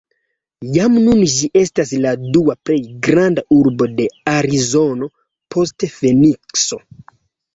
Jam nun ĝi estas la dua plej granda urbo de Arizono, post Fenikso.